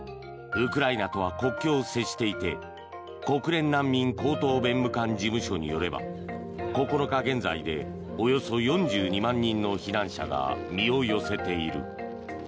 ウクライナとは国境を接していて国連難民高等弁務官事務所によれば９日現在でおよそ４２万人の避難者が身を寄せている。